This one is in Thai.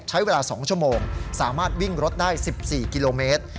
ใช้เวลา๒ชั่วโมงสามารถวิ่งรถได้๑๔กิโลเมตร